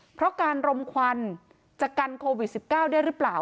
เพราะการรมควันจะกันโควิด๑๙ได้หรือเปล่า